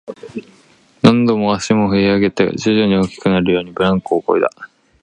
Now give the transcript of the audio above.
何度も足を振り上げて、徐々に大きくなるように、ブランコをこいだ